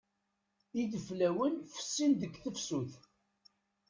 Ideflawen fessin deg tefsut.